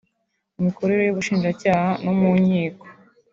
imikorere y’ubushinjacyaha no mu nkiko